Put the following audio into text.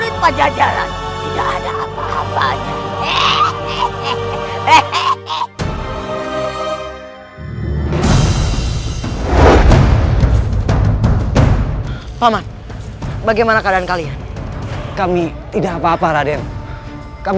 kau bisa menangkapku